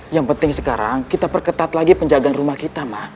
yang penting sekarang kita perketat lagi penjagaan rumah kita